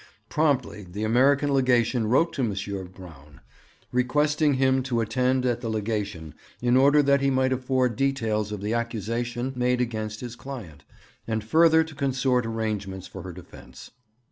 Promptly the American Legation wrote to M. Braun, requesting him to attend at the Legation in order that he might afford details of the accusation made against his client, and further to consort arrangements for her defence.